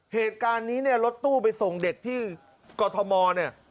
เหตุการณ์นี้เนี่ยรถตู้ไปส่งเด็กที่กรทมเนี่ย